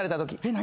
何？